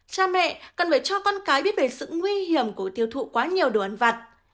cha mẹ cần phải cho con cái biết về sự nguy hiểm của tiêu thụ quá nhiều đồ ăn vặt